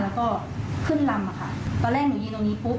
แล้วก็ขึ้นลำอะค่ะตอนแรกหนูยืนตรงนี้ปุ๊บ